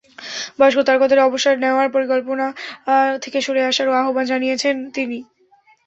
বয়স্ক তারকাদের অবসর নেওয়ার পরিকল্পনা থেকে সরে আসারও আহ্বান জানিয়েছেন তিনি।